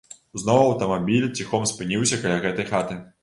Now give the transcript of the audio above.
Зноў аўтамабіль ціхом спыніўся каля гэтай хаты.